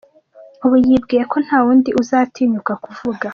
Ubu yibwiye ko nta undi uzatinyuka kuvuga!